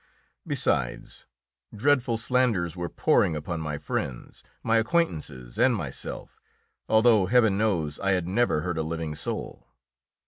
Besides, dreadful slanders were pouring upon my friends, my acquaintances and myself, although, Heaven knows, I had never hurt a living soul.